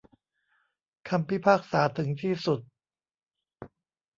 คำพิพากษาถึงที่สุด